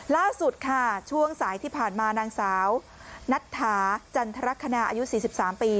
ล่าสุดค่ะช่วงสายที่ผ่านมานางสาวนัดถาจันทรคณะอายุสี่สิบสามปี